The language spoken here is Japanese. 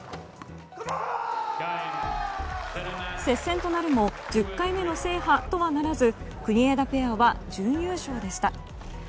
接戦となるも１０回目の制覇とはならず国枝ペアは準優勝でした。